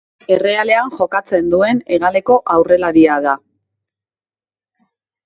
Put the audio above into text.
Errealean jokatzen duen hegaleko aurrelaria da.